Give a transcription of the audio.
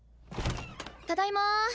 ただいま。